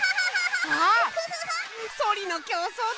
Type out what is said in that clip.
あっそりのきょうそうだ！